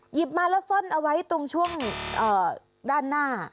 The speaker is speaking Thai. มาแล้วซ่อนเอาไว้ตรงช่วงด้านหน้า